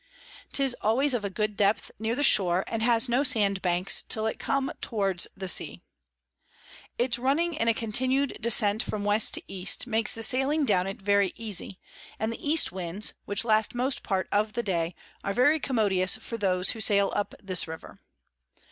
'Tis always of a good depth near the Shore, and has no Sand Banks till it come towards the Sea. Its running in a continu'd Descent from West to East, makes the sailing down it very easy; and the East Winds, which last most part of the day, are very commodious for those who sail up this River.